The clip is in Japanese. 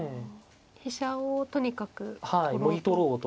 飛車をとにかく取ろうと。